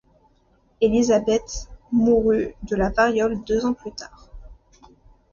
Elizabeth mourut de la variole deux ans plus tard.